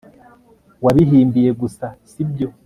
wabihimbye gusa, sibyo